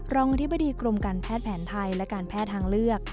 รองอธิบดีกรมการแพทย์แผนไทยและการแพทย์ทางเลือก